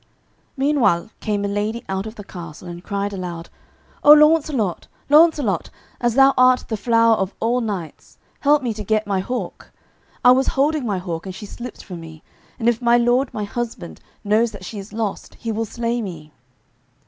Meanwhile came a lady out of the castle and cried aloud, "O Launcelot, Launcelot, as thou art the flower of all knights, help me to get my hawk. I was holding my hawk and she slipped from me, and if my lord my husband knows that she is lost he will slay me."